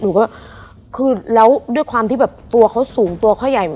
หนูก็คือแล้วด้วยความที่แบบตัวเขาสูงตัวเขาใหญ่